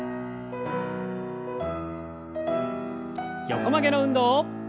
横曲げの運動。